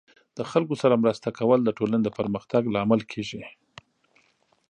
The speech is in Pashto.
د خلکو سره مرسته کول د ټولنې د پرمختګ لامل کیږي.